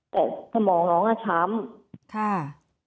แต่สมองน้องช้ำ